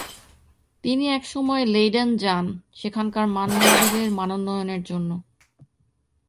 তিনি একসময় লেইডেন যান সেখানকার মানমন্দিরের মানোন্নয়নের জন্য।